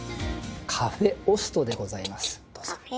「カフェオスト」でございます。